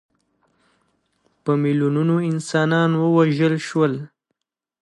په میلیونونو انسانان ووژل شول.